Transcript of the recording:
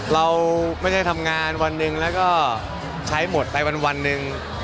เราไม่ใช่ทำงานวันหนึ่งแล้วก็ใช้หมดไปวันหนึ่ง